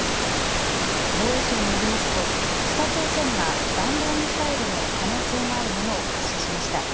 防衛省によりますと北朝鮮が弾道ミサイルの可能性があるものを発射しました。